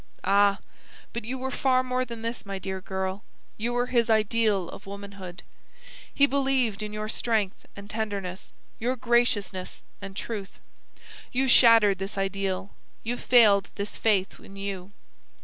"Ah, but you were far more than this, my dear girl. You were his ideal of womanhood. He believed in your strength and tenderness, your graciousness and truth. You shattered this ideal; you failed this faith in you.